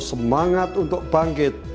semangat untuk bangkit